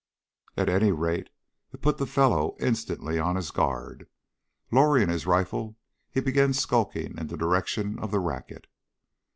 At any rate it put the fellow instantly on his guard. Lowering his rifle he began skulking in the direction of the racket.